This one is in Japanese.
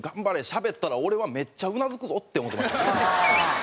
しゃべったら俺はめっちゃうなずくぞ」って思ってました。